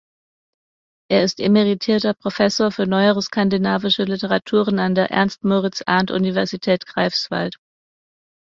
Er ist emeritierter Professor für neuere skandinavische Literaturen an der Ernst-Moritz-Arndt-Universität Greifswald.